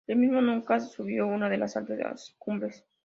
Él mismo nunca subió una de las altas cumbres.